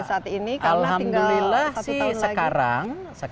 alhamdulillah sih sekarang